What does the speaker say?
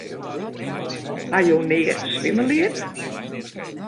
Ha jo nea swimmen leard?